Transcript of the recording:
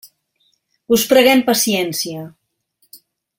Us preguem paciència.